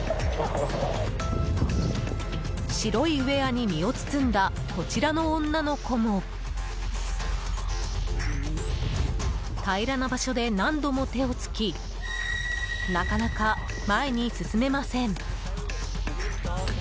白いウェアに身を包んだこちらの女の子も平らな場所で何度も手をつきなかなか前に進めません。